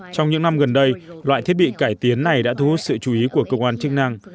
trong những năm gần đây loại thiết bị cải tiến này đã thu hút sự chú ý của cơ quan chức năng